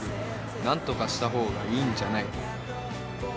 何とかしたほうがいいんじゃない？